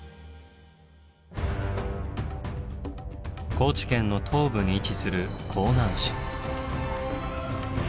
高知県の東部に位置する香南市。